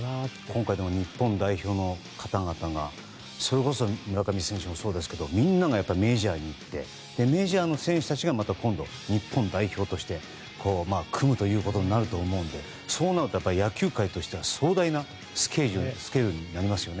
今回、日本代表の方々がそれこそ村上選手もそうですがみんながメジャーに行ってメジャーの選手たちがまた今度、日本代表として組むということになると思うのでそうなると野球界としては壮大なスケールになりますね。